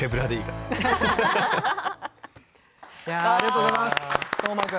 ありがとうございます斗真君。